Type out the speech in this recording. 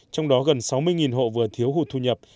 trong đó gần sáu mươi hộ vừa thiếu hụt thu nhập